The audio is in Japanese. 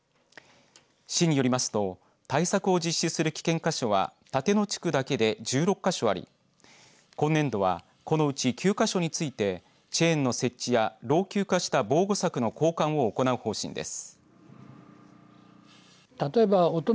市によりますと対策を実施する危険箇所は立野地区だけで１６か所あり今年度はこのうち９か所についてチェーンの設置や老朽化した防護柵の交換を行う方針です。